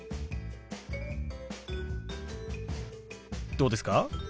どうですか？